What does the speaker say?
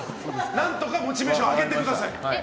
何とかモチベーションを上げてください。